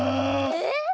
えっ？